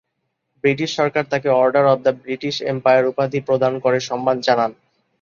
British সরকার তাকে order of the British Empire উপাধি প্রদান করে সম্মান জানান।.